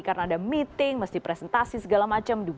karena ada meeting mesti presentasi segala macam